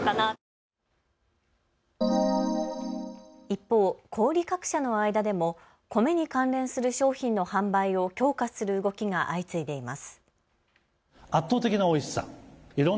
一方、小売各社の間でも米に関連する商品の販売を強化する動きが相次いでいます。